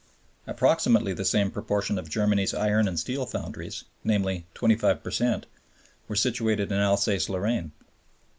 Approximately the same proportion of Germany's iron and steel foundries, namely 25 per cent, were situated in Alsace Lorraine.